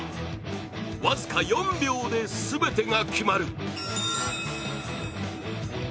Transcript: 僅か４秒で全てが決まる。